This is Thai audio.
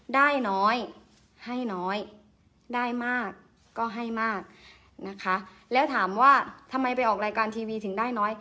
ได้น้อยให้น้อยได้มากก็ให้มากนะคะแล้วถามว่าทำไมไปออกรายการทีวีถึงได้น้อย